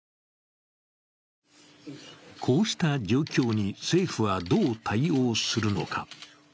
こうした状況に政府は、どう対応するのか。